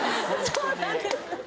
そうなんです。